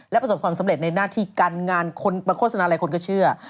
และประสบความสำเร็จในหน้าที่การงานคนมาโฆษณาอะไรคนก็เชื่อ